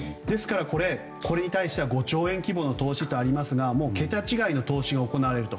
これに対しては５兆円規模の投資とありますが桁違いの投資が行われると。